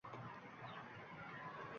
Qotillik kwpajjapti, vazijat esa 'Ok